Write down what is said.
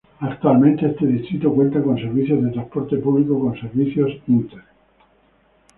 Actualmente este distrito cuenta con servicios de transporte público con servicios Inter.